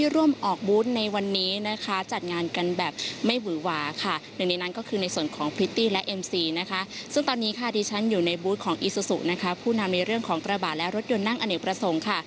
อยู่ในบูธของอิซุสุนะคะผู้นำในเรื่องของตระบาดและรถยนต์นั่งอเนวประสงค์ค่ะ